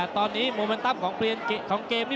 ตอนนี้มูเมนทัพของเกม